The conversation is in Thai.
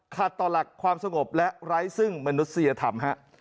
ต่อหลักความสงบและไร้ซึ่งมนุษยธรรม